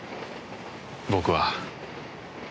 僕は。